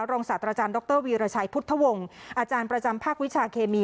ศาสตราจารย์ดรวีรชัยพุทธวงศ์อาจารย์ประจำภาควิชาเคมี